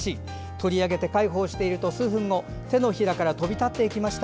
取り上げて介抱していると数分後、手のひらから飛び立っていきました。